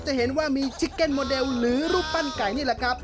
จะเห็นว่ามีชิคเก็ตโมเดลหรือรูปปั้นไก่นี่แหละครับ